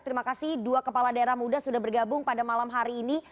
terima kasih dua kepala daerah muda sudah bergabung pada malam hari ini